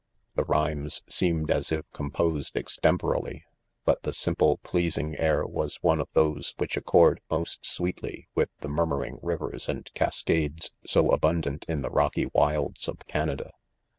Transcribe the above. The rhymes seemed as if com posed extemporally ; but the simply pleasing air was one of those which 4ccord most sweet ly with the murmuring. rivers and cascades, so abundant in the rocky wilds of Canada.